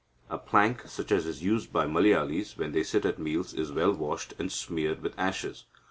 A plank, such as is used by Malayalis when they sit at meals, is well washed, and smeared with ashes.